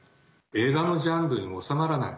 映画のジャンルに収まらない。